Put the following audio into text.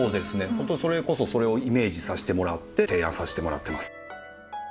本当それこそそれをイメージさせてもらって提案させてもらってます。